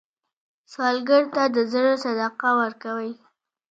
سوالګر ته د زړه صدقه ورکوئ